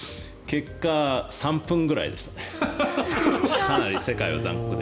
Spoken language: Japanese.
結果、３分ぐらいでした。